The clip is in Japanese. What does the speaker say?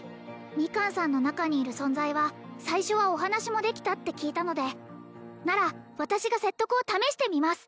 ミカンさんの中にいる存在は最初はお話もできたって聞いたのでなら私が説得を試してみます